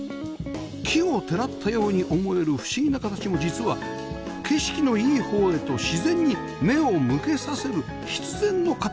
奇をてらったように思える不思議な形も実は景色のいいほうへと自然に目を向けさせる必然の形